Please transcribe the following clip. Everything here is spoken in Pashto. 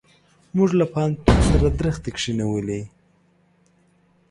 موږ له پوهنتون سره درختي کښېنولې.